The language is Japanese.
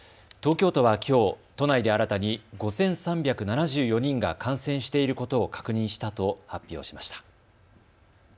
東京都はきょう都内で新たに５３７４人が感染していることを確認したと発表しました。